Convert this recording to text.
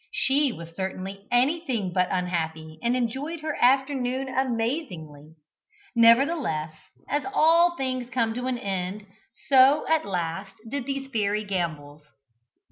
She was certainly anything but unhappy, and enjoyed her afternoon amazingly. Nevertheless, as all things come to an end, so at last did these fairy gambols.